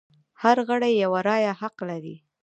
هر غړی یوه رایه حق لري.